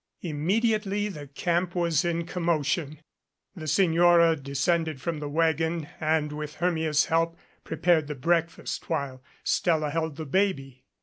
Immediately the camp was in commotion. The Sig nora descended from the wagon, and with Hermia's help prepared the breakfast while Stella held the baby.